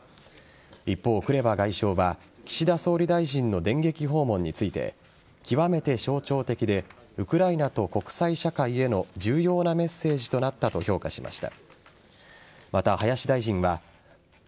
一方、クレバ外相は岸田総理大臣の電撃訪問について極めて象徴的でウクライナと国際社会への重要なメッセージとなったと評価しました。